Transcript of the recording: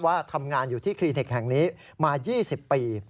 ว่าทำงานอยู่ที่คลินิกแห่งนี้มา๒๐ปี